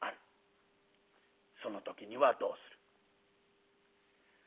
その時にはどうする？」。